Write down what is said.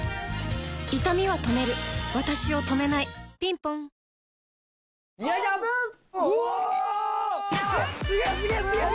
いたみは止めるわたしを止めないぴんぽんすげぇすげぇすげぇ！